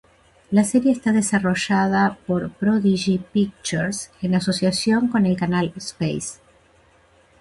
La serie está desarrollada por Prodigy Pictures en asociación con el canal Space.